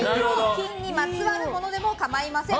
金にまつわるものでも構いません。